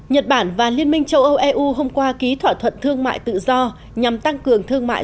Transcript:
nhật bản và liên minh châu âu eu hôm qua ký thỏa thuận thương mại tự do nhằm tăng cường thương mại